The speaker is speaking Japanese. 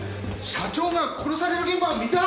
社長が殺される現場を見た！？